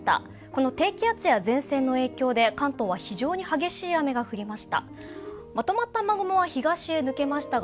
この低気圧や前線の影響で関東は非常に激しい雨が降りました。